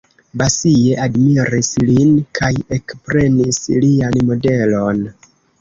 Basie admiris lin kaj ekprenis lian modelon.